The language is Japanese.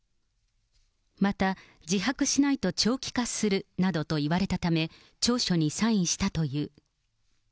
また、自白しないと長期化するなどと言われたため、調書にサインしたという。